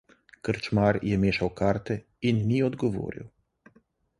Krčmar je mešal karte in ni odgovoril.